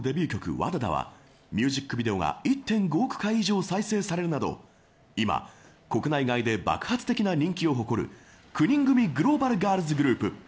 ＷＡＤＡＤＡはミュージックビデオが１．５億回以上再生されるなど今、国内外で爆発的な人気を誇る９人組グローバルガールズグループ。